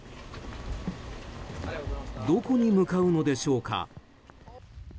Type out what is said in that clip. どこに向かうのでしょうか。